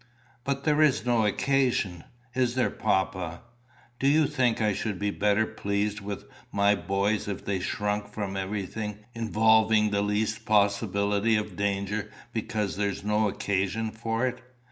"But there is no occasion is there, papa?" "Do you think I should be better pleased with my boys if they shrunk from everything involving the least possibility of danger because there was no occasion for it?